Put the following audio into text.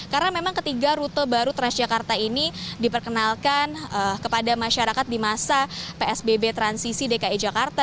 karena memang ketiga rute baru transjakarta ini diperkenalkan kepada masyarakat di masa psbb transisi dki jakarta